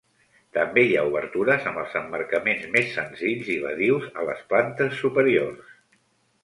També hi ha obertures amb els emmarcaments més senzills i badius a les plantes superiors.